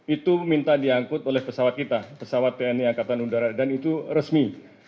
itu minta diangkut oleh pesawat kita pesawat tni angkatan udara dan itu resmi